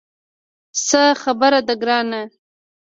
څه خبره ده ګرانه.